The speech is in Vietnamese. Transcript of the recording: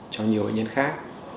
cho nhiều bệnh nhân khác